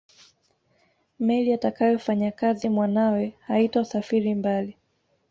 Meli atakayofanyakazi mwanawe haitosafiri mbali